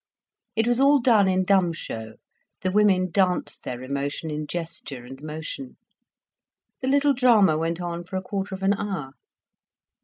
It was all done in dumb show, the women danced their emotion in gesture and motion. The little drama went on for a quarter of an hour.